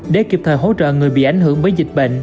để kịp thời hỗ trợ người bị ảnh hưởng bởi dịch bệnh